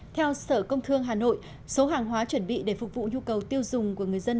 theo sở công thương hà nội số hàng hóa chuẩn bị để phục vụ nhu cầu tiêu dùng của người dân